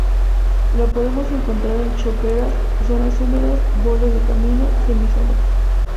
La podemos encontrar en choperas, zonas húmedas, bordes de camino, semisombra.